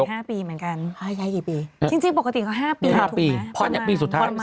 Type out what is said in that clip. กี่ปีจริงจริงปกติก็ห้าปีห้าอันครึ่งขนาดภีร์สุดท้าย๔ปี